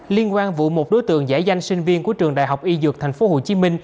liên quan vụ một đối tượng giải danh sinh viên của trường đại học y dược tp hcm